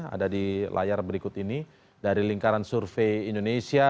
ada di layar berikut ini dari lingkaran survei indonesia